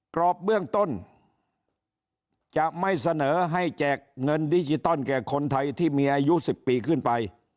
กรอบเบื้องต้นจะไม่เสนอให้แจกเงินดิจิตอลแก่คนไทยที่มีอายุ๑๐ปีขึ้นไป